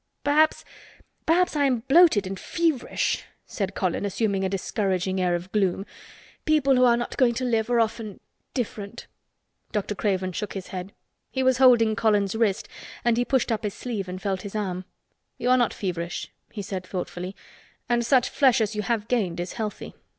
"Perhaps—perhaps I am bloated and feverish," said Colin, assuming a discouraging air of gloom. "People who are not going to live are often—different." Dr. Craven shook his head. He was holding Colin's wrist and he pushed up his sleeve and felt his arm. "You are not feverish," he said thoughtfully, "and such flesh as you have gained is healthy.